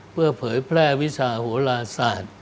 เพื่อเผยแพร่วิชาโหลาศาสตร์